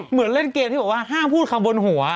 เหมือนเล่นเกมที่บอกว่าห้ามพูดคำบนหัว